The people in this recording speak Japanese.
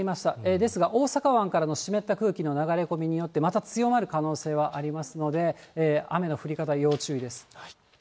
ですが大阪湾からの湿った空気の流れ込みによって、また強まる可能性はありますので、雨の降り方、要注意です。